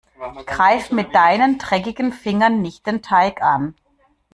Greif mit deinen dreckigen Fingern nicht den Teig an.